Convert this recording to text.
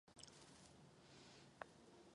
V dalších volbách už nekandidoval.